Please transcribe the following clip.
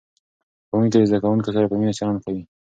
ښوونکي د زده کوونکو سره په مینه چلند کوي.